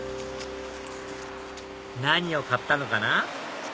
何を買ったのかな？